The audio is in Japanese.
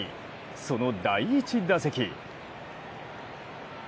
その第１打席。